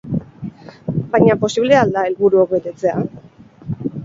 Baina posible al da helburuok betetzea?